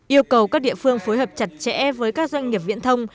yêu cầu các địa phương phối hợp chặt chẽ với các doanh nghiệp viễn thông